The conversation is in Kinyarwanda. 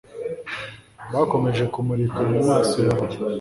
Bakomeje kumurika mu maso yanjye